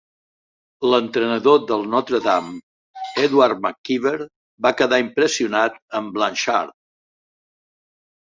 L'entrenador del Notre Dame, Edward McKeever, va quedar impressionat amb Blanchard.